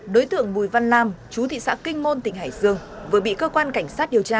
đối tượng bùi văn lam chú thị xã kinh môn tỉnh hải dương vừa bị cơ quan cảnh sát điều tra